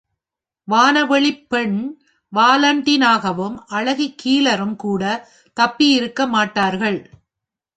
வானவெளிப்பெண் வாலண்டினாவும் அழகி கீலரும்கூட தப்பித்திருக்க மாட்டார்கள்!...